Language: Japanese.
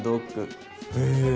へえ。